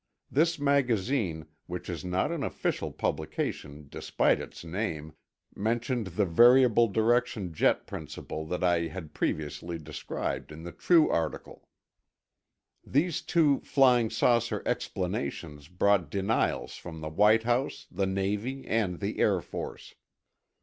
This magazine, which is not an official publication despite its name, mentioned the variable direction jet principle that I had previously described in the True article. These two flying saucer "explanations" brought denials from the White House, the Navy, and the Air Force.